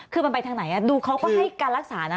คือมันไปทางไหนดูเขาก็ให้การรักษานะ